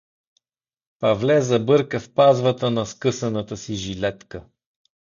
Павле забърка в пазвата на скъсаната си жилетка.